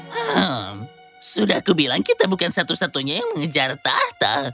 hmm sudah aku bilang kita bukan satu satunya yang mengejar tahta